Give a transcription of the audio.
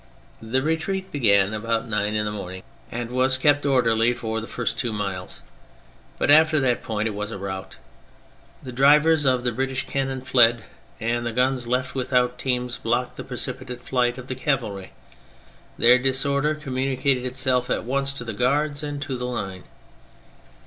The re treat began about nine in the morning and THE MILITARY ASPECT 209 was kept orderly for the first two miles, but after that point it was a rout. The drivers of the British cannon fled, and the guns, left without teams, blocked the precipitate flight of the cavalry. Their disorder communi cated itself at once to the Guards, and to the line.